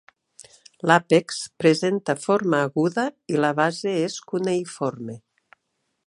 L'àpex presenta forma aguda i la base és cuneïforme.